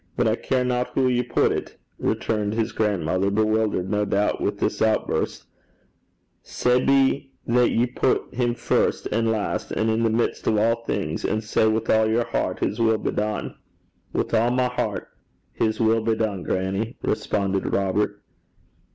But I carena hoo ye put it,' returned his grandmother, bewildered no doubt with this outburst, 'sae be that ye put him first an' last an' i' the mids' o' a' thing, an' say wi' a' yer hert, "His will be dune!"' 'Wi' a' my hert, "His will be dune," grannie,' responded Robert.